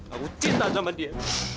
aku cinta sama dia